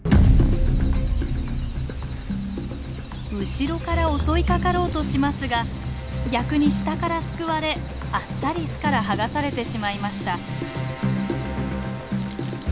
後ろから襲いかかろうとしますが逆に下からすくわれあっさり巣から剥がされてしまいました。